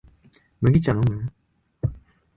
麦茶のむ？